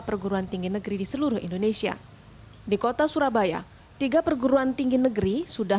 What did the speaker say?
perguruan tinggi negeri di seluruh indonesia di kota surabaya tiga perguruan tinggi negeri sudah